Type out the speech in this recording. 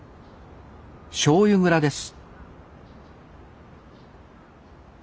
しょうゆ蔵です